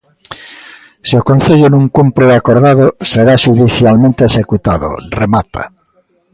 "Se o Concello non cumpre o acordado, será xudicialmente executado", remata.